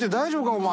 お前。